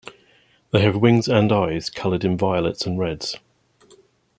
They have wings and eyes colored in Violets and Reds.